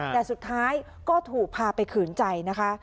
แต่สุดท้ายก็ถูกพาไปขืนใจนะคะ